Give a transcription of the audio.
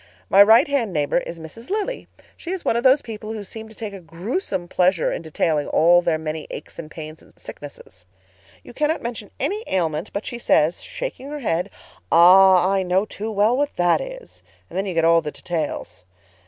My right hand neighbor is Mrs. Lilly. She is one of those people who seem to take a gruesome pleasure in detailing all their many aches and pains and sicknesses. You cannot mention any ailment but she says, shaking her head, 'Ah, I know too well what that is'—and then you get all the details.